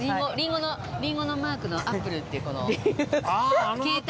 リンゴのマークのアップルっていうこの。